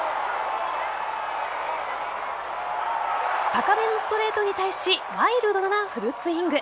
高めなストレートに対しワイルドなフルスイング。